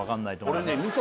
俺ね